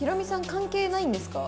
関係ないんですか？